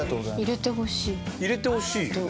入れてほしいよね。